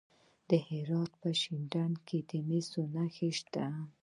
د هرات په شینډنډ کې د مسو نښې شته.